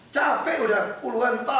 capek udah puluhan tahun